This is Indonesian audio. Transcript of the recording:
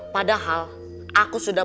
padahal aku sudah